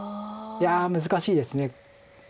いや難しいです。